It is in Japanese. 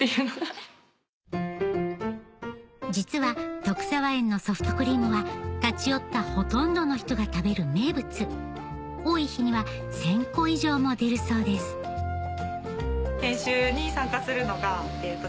実は徳澤園のソフトクリームは立ち寄ったほとんどの人が食べる名物多い日には１０００個以上も出るそうです研修に参加するのが。